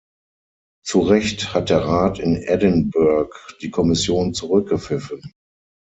Zu Recht hat der Rat in Edinburgh die Kommission zurückgepfiffen.